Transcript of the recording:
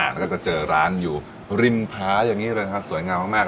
แล้วก็จะเจอร้านอยู่ริมผาอย่างนี้เลยนะครับสวยงามมาก